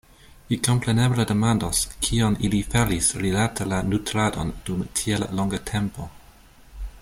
Vi kompreneble demandos, kion ili faris rilate la nutradon dum tiel longa tempo?